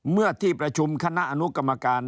เมื่อที่ประชุมคณะอนุกรรมการ